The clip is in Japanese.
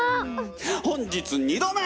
本日２度目！